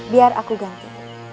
biar aku ganti